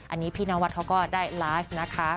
อันนี้พี่นวัดเขาก็ได้ไลฟ์นะคะ